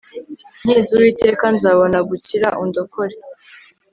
Nkiza Uwiteka nzabona gukira undokore